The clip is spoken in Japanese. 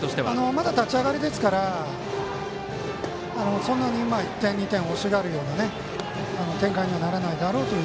まだ立ち上がりですからそんなに１点２点をほしがるような展開にはならないだろうと。